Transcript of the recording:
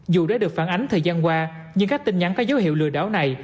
dù đã được phản ánh thời gian qua nhưng các tin nhắn có dấu hiệu lừa đảo này